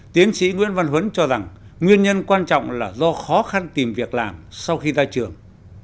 tiến sĩ nguyễn văn huấn cho rằng nguyên nhân quan trọng là do khó khăn tìm việc làm sau khi ra trường